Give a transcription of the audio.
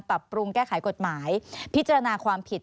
ปรับปรุงแก้ไขกฎหมายพิจารณาความผิด